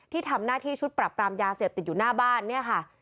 ที่ทำหน้าที่ชุดปรับปรามยาเสพติดอยู่หน้าบ้านเนี่ยค่ะ